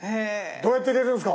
どうやって入れるんすか？